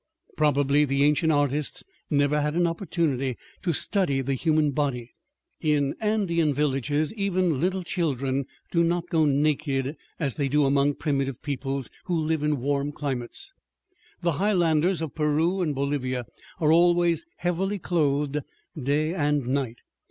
Probably the ancient artists never had an opportunity to study the human body. In Andean villages, even little children do not go naked as they do among primitive peoples who live in warm climates. The Highlanders of Peru and Bolivia are always heavily clothed, day and night.